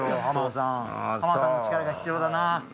浜田さんの力が必要だな。